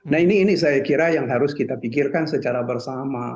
nah ini saya kira yang harus kita pikirkan secara bersama